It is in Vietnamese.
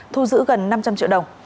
thu giữ gần năm trăm linh triệu đồng